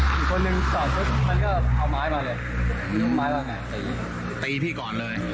อีกคนนึงจอดปุ๊บมันก็เอาไม้มาเลยดึงไม้มาไงตีตีพี่ก่อนเลย